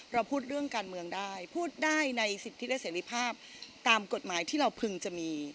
เราพูดเรื่องการเมืองได้พูดได้ในสิทธิและเสรีภาพตามกฎหมายที่เราพึงจะมี